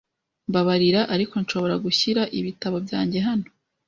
Mbabarira, ariko nshobora gushyira ibitabo byanjye hano?